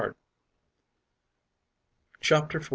CHAPTER 4.